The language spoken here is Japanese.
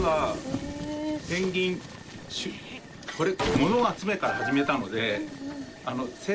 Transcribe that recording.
物集めから始めたので。